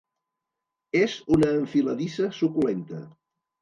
És una enfiladissa suculenta.